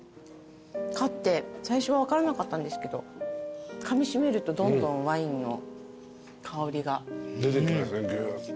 最初分からなかったんですけどかみしめるとどんどんワインの香りが。出てきますねギューッと。